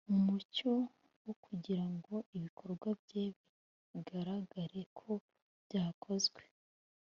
mu mucyo wo kugira ngo ibikorwa bye bigaragare ko byakozwe